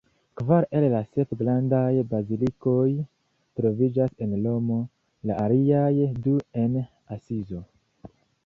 Kvar el la sep grandaj bazilikoj troviĝas en Romo, la aliaj du en Asizo.